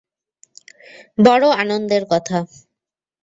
বড়ো আনন্দের কথা।